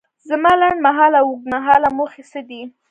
زما لنډ مهاله او اوږد مهاله موخې څه دي؟